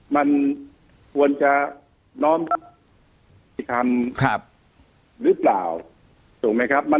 มันควรจะน้อมพิธีทำหรือเปล่า